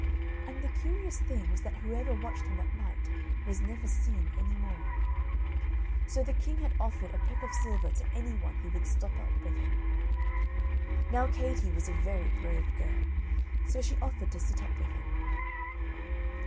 And the curious thing was that whoever watched him at night was never seen any more. So the king had offered a peck of silver to anyone who would stop up with him. Now Katie was a very brave girl, so she offered to sit up with him.